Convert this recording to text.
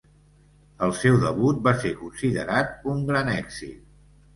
El seu debut va ser considerat un gran èxit.